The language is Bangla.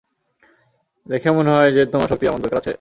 দেখে মনে হয় যে তোমার শক্তির আমার দরকার আছে?